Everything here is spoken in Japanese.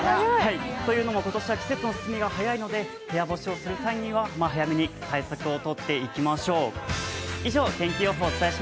というのも今年は季節の進みが早いので部屋干しをする際には早めに対策を。